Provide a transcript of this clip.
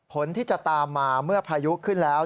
ผลที่จะตามมาเมื่อพายุขึ้นแล้ว